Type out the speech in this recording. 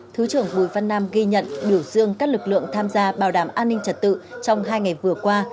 thứ trưởng bùi văn nam ghi nhận biểu dương các lực lượng tham gia bảo đảm an ninh trật tự trong hai ngày vừa qua